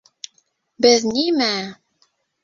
— Беҙ нимә!